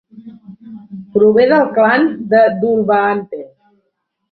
Prové del clan de Dhulbahante.